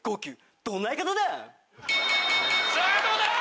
さぁどうだ？